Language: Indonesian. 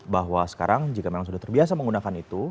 bahwa sekarang jika memang sudah terbiasa menggunakan itu